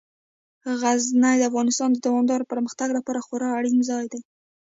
غزني د افغانستان د دوامداره پرمختګ لپاره خورا اړین ځای دی.